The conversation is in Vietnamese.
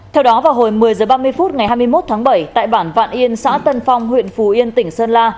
theo đó vào hồi một mươi h ba mươi phút ngày hai mươi một tháng bảy tại bản vạn yên xã tân phong huyện phù yên tỉnh sơn la